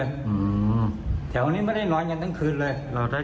เราได้แจ้งมิติหรือแจ้งอะไร